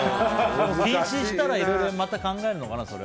禁止したらいろいろ考えるのかな。